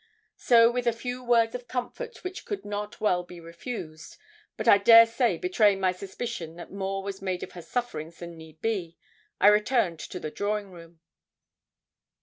So with a few words of comfort which could not well be refused, but I dare say betraying my suspicion that more was made of her sufferings than need be, I returned to the drawing room.